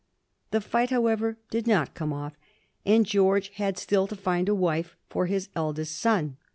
The fight, however, did not come off, and George had still to find a wife for his eldest son.